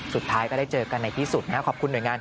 สุดท้ายก็ได้เจอกันในที่สุดนะครับขอบคุณหน่วยงาน